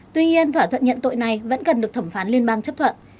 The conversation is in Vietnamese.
tuy nhiên thỏa thuận nhận tội này vẫn cần được thẩm phán liên bang chấp thuận